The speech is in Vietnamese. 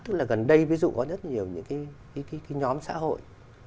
tức là gần đây ví dụ có rất nhiều những cái nhóm xã hội